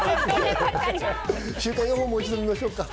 週間予報、もう一度見ましょうか。